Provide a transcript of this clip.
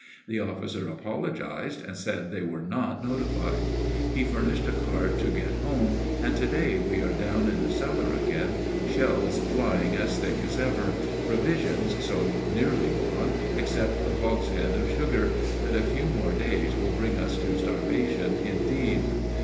The officer apologized and said they were not notified. He furnished a cart to get home, and to day we are down in the cellar again, shells flying as thick as ever; provisions so nearly gone, except the hogshead of sugar, that a few more days will bring us to starvation indeed.